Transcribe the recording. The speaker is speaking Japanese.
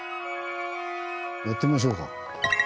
やってみましょうか。